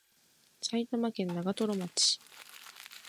埼玉県長瀞町